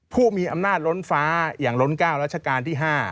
ผู้มีอำนาจล้นฟ้าอย่างล้น๙รัชกาลที่๕